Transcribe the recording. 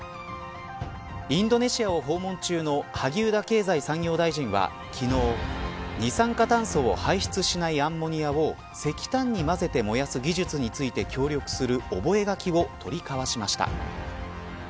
インドネシアを訪問中の萩生田経済産業大臣は昨日二酸化炭素を排出しないアンモニアを石炭にまぜて燃やす技術について協力する覚書を取り交わしました。